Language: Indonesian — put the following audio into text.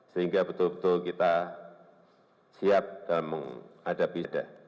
sehingga betul betul kita siap dalam menghadapi